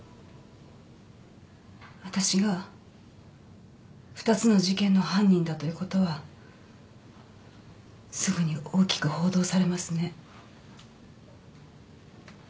私が２つの事件の犯人だという事はすぐに大きく報道されますね。